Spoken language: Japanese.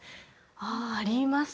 ああありますね。